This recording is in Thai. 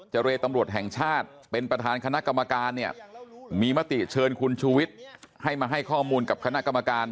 เรตำรวจแห่งชาติเป็นประธานคณะกรรมการเนี่ยมีมติเชิญคุณชูวิทย์ให้มาให้ข้อมูลกับคณะกรรมการ